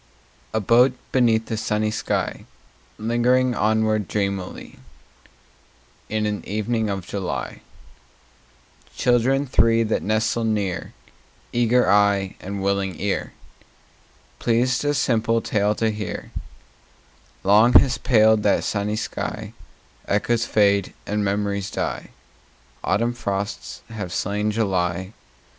A boat beneath a sunny sky, Lingering onward dreamily In an evening of July— Children three that nestle near, Eager eye and willing ear, Pleased a simple tale to hear— Long has paled that sunny sky: Echoes fade and memories die. Autumn frosts have slain July.